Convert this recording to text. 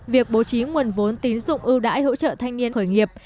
việc bố trí nguồn vốn tín dụng ưu đãi hỗ trợ thanh niên khởi nghiệp